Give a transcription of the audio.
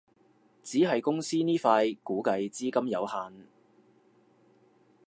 只係公司呢塊估計資金有限